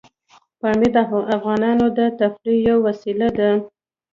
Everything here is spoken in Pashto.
پامیر د افغانانو د تفریح یوه وسیله ده.